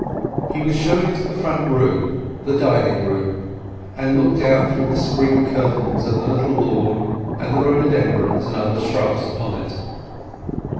He was shown into the front room—the dining room—and looked out through the spring curtains at the little lawn, and the rhododendrons and other shrubs upon it.